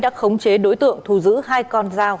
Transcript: đã khống chế đối tượng thu giữ hai con dao